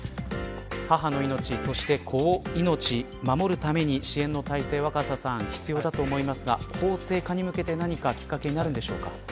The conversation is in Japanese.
母の命、そして子の命守るために、支援の体制は必要だと思いますが法制化に向けて何かきっかけになるんでしょうか。